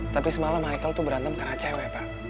tapi semalam michael tuh berantem karena cewek pak